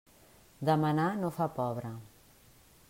Demanar no fa pobre.